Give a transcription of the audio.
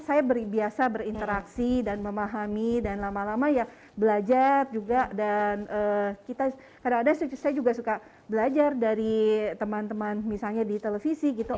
saya biasa berinteraksi dan memahami dan lama lama ya belajar juga dan kita kadang kadang saya juga suka belajar dari teman teman misalnya di televisi gitu